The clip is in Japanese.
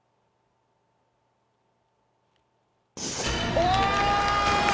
お！